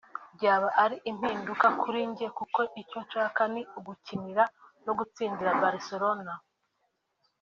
byaba ari impinduka kuri njye kuko icyo nshaka ni ugukinira no gutsindira Barcelona